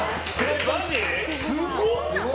すごっ！